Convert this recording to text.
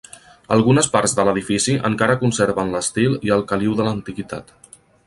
Algunes parts de l'edifici encara conserven l'estil i el caliu de l'antiguitat.